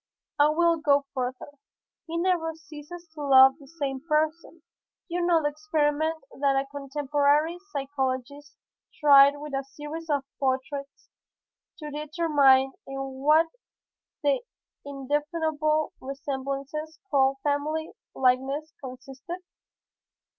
I will go further; he never ceases to love the same person. You know the experiment that a contemporary physiologist tried with a series of portraits to determine in what the indefinable resemblances called family likeness consisted?